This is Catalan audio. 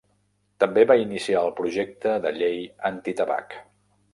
També va iniciar el projecte de llei antitabac.